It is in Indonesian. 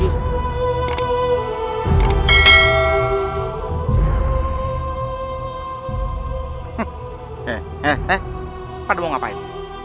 he he he pada mau ngapain